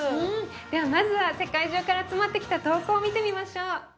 ではまずは世界中から集まってきた投稿を見てみましょう。